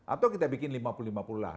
atau kita bikin lima puluh lima puluh lahan